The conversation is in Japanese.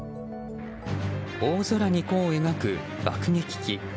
大空に弧を描く爆撃機。